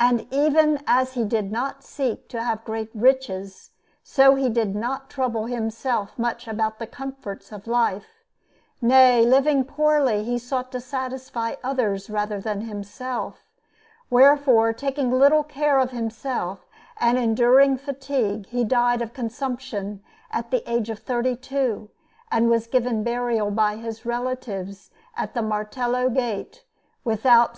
And even as he did not seek to have great riches, so he did not trouble himself much about the comforts of life nay, living poorly, he sought to satisfy others rather than himself; wherefore, taking little care of himself and enduring fatigue, he died of consumption at the age of thirty two, and was given burial by his relatives at the Martello Gate without S.